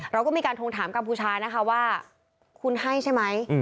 เราก็มีการทวงถามกัมพูชานะคะว่าคุณให้ใช่ไหม